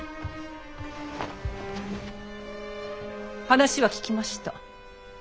話は聞きました。